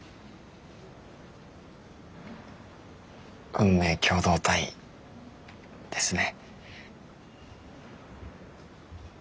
運命共同体ですね。